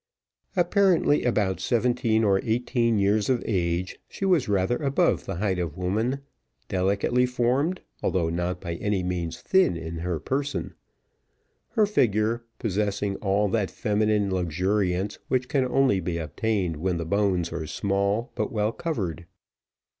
Apparently about seventeen or eighteen years of age, she was rather above the height of woman, delicately formed, although not by any means thin in her person: her figure possessing all that feminine luxuriance, which can only be obtained when the bones are small, but well covered.